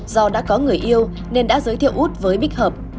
do đã có người yêu nên đã giới thiệu út với bích hợp